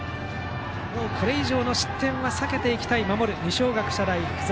もうこれ以上の失点は避けていきたい守る二松学舎大付属。